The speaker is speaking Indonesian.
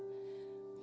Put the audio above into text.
lucu juga ternyata dia